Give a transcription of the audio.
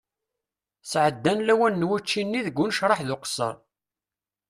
Sɛeddan lawan n wučči-nni deg unecreḥ d uqesser.